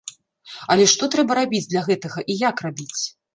Але што трэба рабіць для гэтага, і як рабіць?